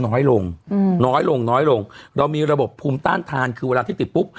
น้อยลงอืมน้อยลงน้อยลงเรามีระบบภูมิต้านทานคือเวลาที่ติดปุ๊บ